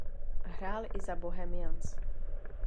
Hrál i za Bohemians.